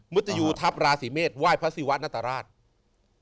ุตยูทัพราศีเมษไหว้พระศิวะนัตรราช